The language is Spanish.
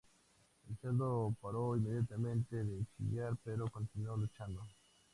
El cerdo paró inmediatamente de chillar, pero continuó luchando.